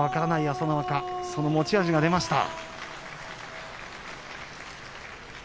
朝乃若その持ち味が出ました。